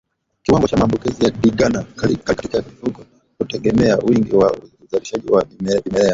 Kiwango cha maambukizi ya ndigana kali katika mifugo hutegemea wingi wa uzalishaji wa vimelea